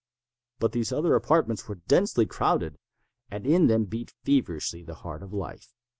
But these other apartments were densely crowded, and in them beat feverishly the heart of life.